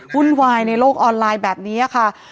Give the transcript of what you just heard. วุ่นวายในโลกออนไลน์แบบนี้ค่ะ